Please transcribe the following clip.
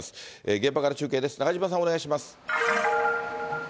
現場から中継です、中島さん、お願いします。